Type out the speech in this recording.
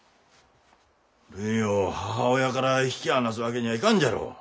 るいを母親から引き離すわけにゃあいかんじゃろう。